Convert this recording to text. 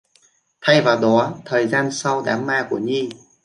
Thay vào đó thời gian sau đám ma của Nhi